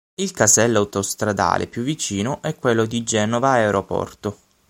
Il casello autostradale più vicino è quello di "Genova-Aeroporto".